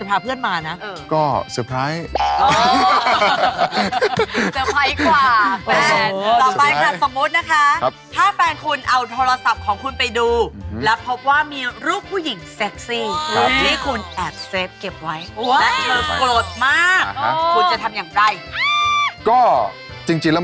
ตามไปค่ะสมมุตินะคะ